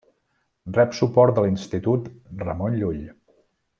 Rep suport de l'Institut Ramon Llull.